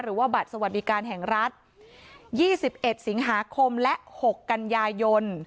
หรือว่าบัตรสวรรค์อีกการแห่งรัฐยี่สิบเอ็ดสิงหาคมและหกกัญญายน